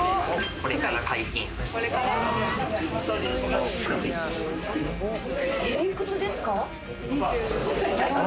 これから解禁やな。